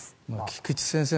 菊地先生